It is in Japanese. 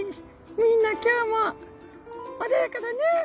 みんな今日も穏やかだね」。